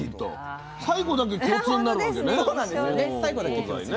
最後だけ共通になるわけね。